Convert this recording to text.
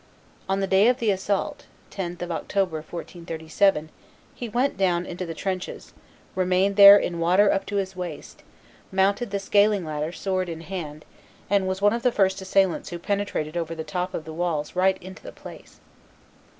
On the day of the assault (10th of October, 1437) he went down into the trenches, remained there in water up to his waist, mounted the scaling ladder sword in hand, and was one of the first assailants who penetrated over the top of the walls right into the place.